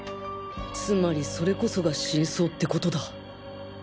つまりそれこそが真相ってことだ！